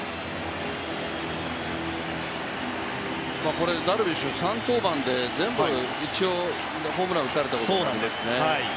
これダルビッシュ、３登板で全部、一応ホームラン打たれたことになる。